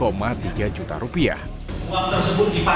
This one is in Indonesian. uang tersebut dipakai untuk berfoya foya